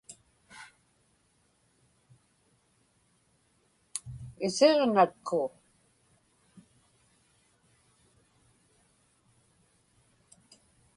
Isiġnatku.